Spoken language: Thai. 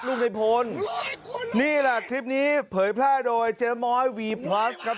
ในพลนี่แหละคลิปนี้เผยแพร่โดยเจ๊ม้อยวีพลัสครับ